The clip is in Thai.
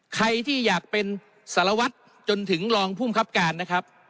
ใครที่อยากเป็นสารวัตรจนถึงรองภูมิครับการนะครับ